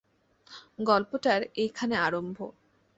গল্পটার এইখানে আরম্ভ।